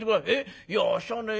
いやあっしはね